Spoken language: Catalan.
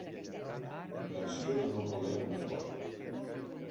L'acció de no voler una cosa.